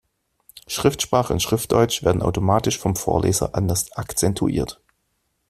Schriftsprache und Schriftdeutsch werden automatisch vom Vorleser anders akzentuiert.